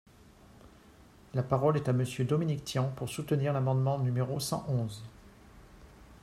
La parole est à Monsieur Dominique Tian, pour soutenir l’amendement numéro cent onze.